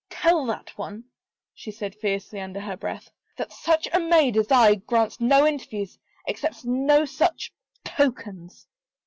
" Tell that one," she said fiercely under her breath, " that such a maid as I grants no interviews, accepts no such — tokens."